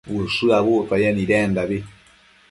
ushË abuctuaye nidendabi